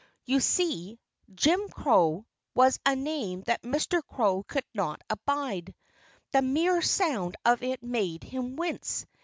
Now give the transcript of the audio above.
You see, "Jim Crow" was a name that Mr. Crow could not abide. The mere sound of it made him wince.